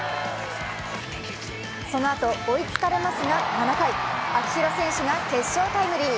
そのあと追いつかれますが７回、秋広選手が決勝タイムリー。